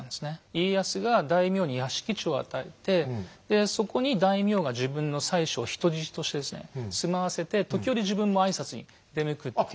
家康が大名に屋敷地を与えてでそこに大名が自分の妻子を人質として住まわせて時折自分も挨拶に出向くっていう。